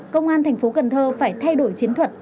công an thành phố cần thơ phải thay đổi chiến thuật